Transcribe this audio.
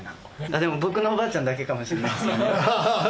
でも、僕のおばあちゃんだけかもしれないですけどね。